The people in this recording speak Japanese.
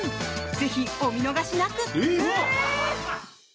ぜひ、お見逃しなく。